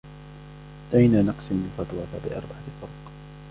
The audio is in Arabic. دعينا نقسم الفاتورة بأربعة طرق.